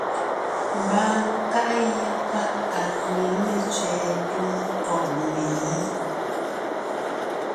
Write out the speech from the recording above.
Ḿbaa nkàʼ yé páʼ à gee ne tsẅɛ̀ɛ túm ńkɔ̂ʼ megǐ.